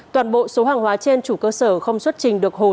toàn bộ số hàng hóa trên chủ cơ sở không xuất trình được hồ